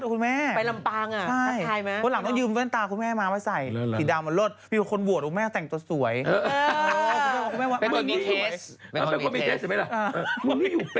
ต้องเดินแบบปลอมบอกไอ้สวัสดีค่ะอะไรอย่างนี้